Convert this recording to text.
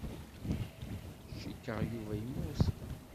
Cikkeɣ Yuba yemmut.